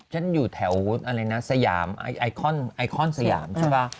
ฉันอยู่แถวสยามไอคอนสยามใช่ป่ะ